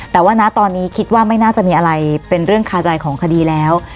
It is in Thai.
แต่ว่านะตอนนี้คิดว่าไม่น่าจะมีอะไรเป็นเรื่องคาใจของคดีแล้ว